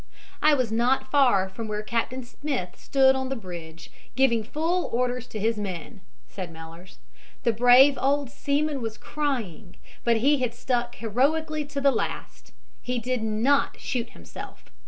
"I was not far from where Captain Smith stood on the bridge, giving full orders to his men," said Mellers. "The brave old seaman was crying, but he had stuck heroically to the last. He did not shoot himself.